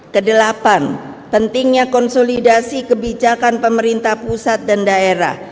kedelapan pentingnya konsolidasi kebijakan pemerintah pusat dan daerah